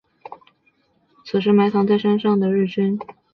此时埋藏在山上的日军炮火又开始痛击经过山下的一批美军大队。